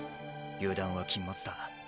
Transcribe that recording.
油断は禁物だ。